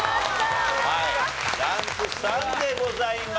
はいランク３でございました。